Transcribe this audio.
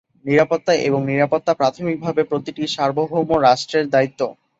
নিরাপত্তা এবং নিরাপত্তা প্রাথমিকভাবে প্রতিটি সার্বভৌম রাষ্ট্রের দায়িত্ব।